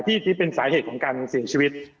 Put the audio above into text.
คิดเป็นสาเหตุของการเสียชีวิต